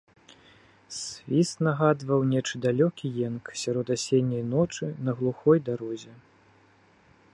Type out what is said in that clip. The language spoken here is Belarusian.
Свіст нагадваў нечы далёкі енк сярод асенняй ночы на глухой дарозе.